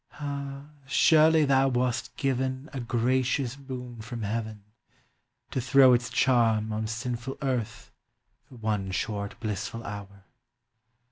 Ah! surely thou wast given, A gracious boon from heaven, To throw its charm on sinful earth for one short blissful hour!